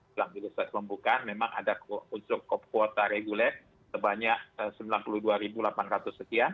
dalam proses pembukaan memang ada unsur kuota reguler sebanyak rp sembilan puluh dua delapan ratus